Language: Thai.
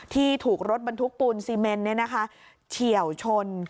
ที่ถูกรถบรรทุกปูนซีเมนเฉียวชน